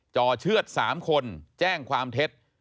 จ่อเชื่อด๓คนแจ้งความเท็จ